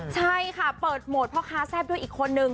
ใช่ค่ะเปิดโหมดพ่อค้าแซ่บด้วยอีกคนนึง